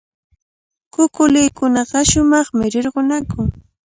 Kukulikunaqa shumaqmi rirqunakun.